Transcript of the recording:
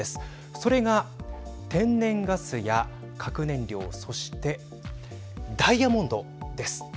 それが天然ガスや核燃料そしてダイヤモンドです。